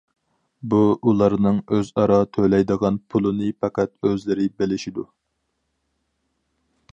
بۇ ئۇلارنىڭ ئۆزئارا تۆلەيدىغان پۇلىنى پەقەت ئۆزلىرى بىلىشىدۇ.